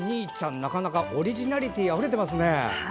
なかなかオリジナリティーあふれてますね。